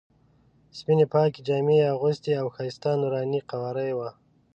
سپینې پاکې جامې یې اغوستې او ښایسته نوراني قواره یې وه.